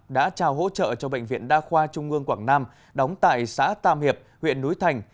đã trao hỗ trợ cho bệnh viện đa khoa trung ương quảng nam đóng tại xã tam hiệp huyện núi thành